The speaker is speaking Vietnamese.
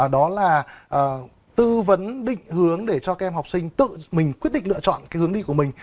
đó là tư vấn định hướng để cho các em học sinh tự mình quyết định lựa chọn hướng đi của mình